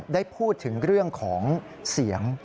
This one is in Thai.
ได้พูดถึงเรื่องของเสียง